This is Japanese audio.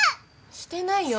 してないよ。